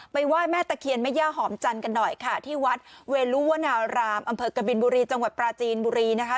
ไหว้แม่ตะเคียนแม่ย่าหอมจันทร์กันหน่อยค่ะที่วัดเวลุวนารามอำเภอกบินบุรีจังหวัดปราจีนบุรีนะคะ